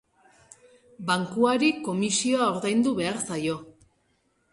Bankuari komisioa ordaindu behar zaio.